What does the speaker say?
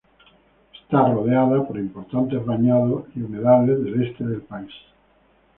Está rodeada por importantes bañados y humedales del Este del país.